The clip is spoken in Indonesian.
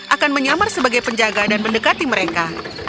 akan menyamar sebagai penjaga dan mendekati mereka